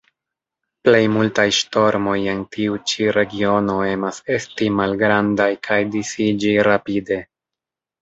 Plejmultaj ŝtormoj en tiu ĉi regiono emas esti malgrandaj kaj disiĝi rapide.